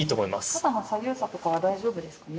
肩の左右差とかは大丈夫ですかね？